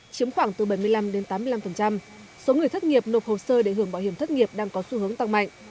chiếm khoảng từ bảy mươi năm tám mươi năm số người thất nghiệp nộp hồ sơ để hưởng bảo hiểm thất nghiệp đang có xu hướng tăng mạnh